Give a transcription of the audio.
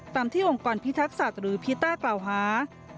ตามที่องค์กรพิทักษัตริย์หรือพีต้ากล่าวหา